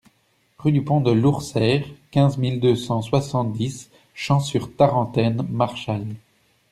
Rue du Pont de Lourseyre, quinze mille deux cent soixante-dix Champs-sur-Tarentaine-Marchal